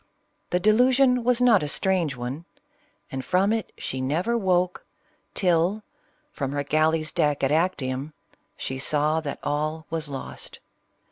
The delusion was not a strange one ; and from it she never woke, till from her galley's deck at Actium, she saw that all was lost.